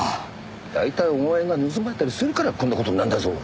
大体お前が盗まれたりするからこんな事になるんだぞ！